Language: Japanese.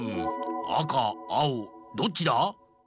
あかあおどっちだ？